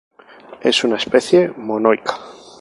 Es una especie monoica.